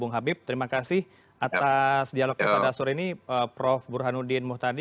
bung habib terima kasih atas dialognya pada sore ini prof burhanuddin muhtadi